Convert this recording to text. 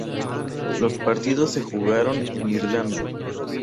Los partidos se jugaron en Irlanda.